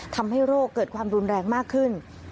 ทำให้โรคเกิดความรุนแรงมากขึ้น